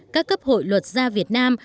các cấp hội luật gia việt nam